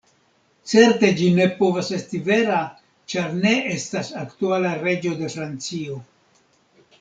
Certe ĝi ne povas esti vera, ĉar ne estas aktuala reĝo de Francio.